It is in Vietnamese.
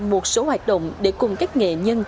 một số hoạt động để cùng các nghệ nhân